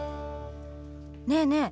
ねえねえ